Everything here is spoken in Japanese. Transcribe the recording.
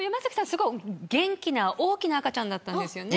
すごい元気な大きな赤ちゃんだったんですよね。